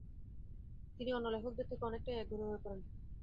তিনি অন্য লেখকদের থেকে অনেকটাই একঘরে হয়ে পড়েন।